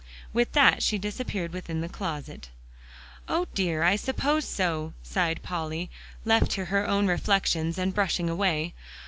With that, she disappeared within the closet. "O dear, I suppose so," sighed Polly, left to her own reflections and brushing away.